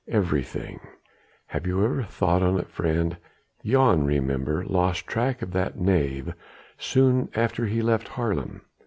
"Everything. Have you never thought on it, friend? Jan, remember, lost track of that knave soon after he left Haarlem.